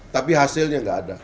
tapi hasilnya nggak ada